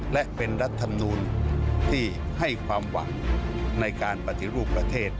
และเป็นรัฐมนูลที่ให้ความหวังในการปฏิรูปประเทศ